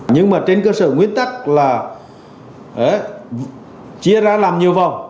nhưng mà trên cơ sở nguyên tắc là chia ra làm nhiều vòng